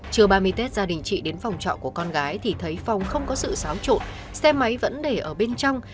trưa ba mươi tết gia đình chị đến phòng trọ của con gái thì thấy phòng không có sự xáo trộn xe máy vẫn để ở bên trong